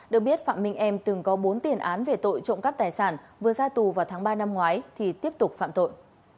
được biết phạm minh em từng có bốn tiền án về tội trộm cắp tài sản vừa ra tù vào tháng ba năm ngoái thì tiếp tục phạm tội